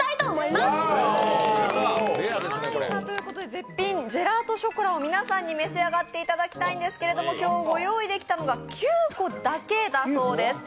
絶品ジェラートショコラを皆さんに召し上がっていただきたいんですけれども、今日ご用意できたのが９個だけということなんです。